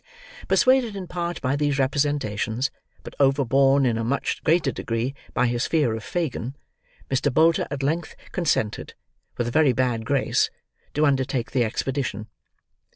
Persuaded, in part, by these representations, but overborne in a much greater degree by his fear of Fagin, Mr. Bolter at length consented, with a very bad grace, to undertake the expedition.